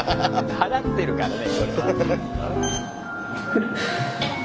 払ってるからねこれは。